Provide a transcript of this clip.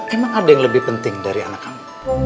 emang ada yang lebih penting dari anak kamu